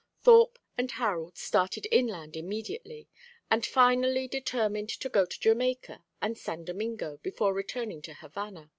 Thorpe and Harold started inland immediately, and finally determined to go to Jamaica and San Domingo before returning to Havana.